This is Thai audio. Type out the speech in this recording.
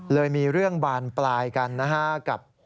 เลยมีเรื่องบานปลายกันนะฮะกับ